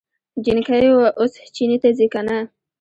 جينکۍ اوس چينې ته ځي که نه؟